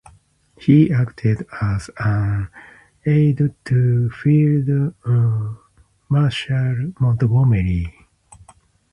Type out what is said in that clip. He acted as an aide to Field Marshal Montgomery.